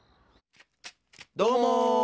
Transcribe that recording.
どうも。